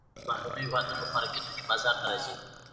د بهرنیو هېوادونو خوراکي توکي بازار ته راځي.